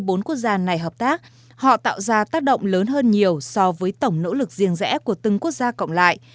trong bốn quốc gia này hợp tác họ tạo ra tác động lớn hơn nhiều so với tổng nỗ lực riêng rẽ của từng quốc gia cộng lại